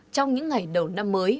trong những ngày đầu năm mới